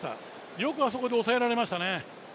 よくあそこで抑えられましたね。